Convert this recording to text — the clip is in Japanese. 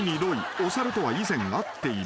お猿とは以前会っている］